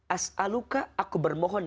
as'aluka aku bermohon